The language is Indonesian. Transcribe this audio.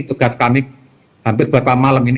tugas kami hampir beberapa malam ini